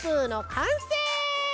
かんせい！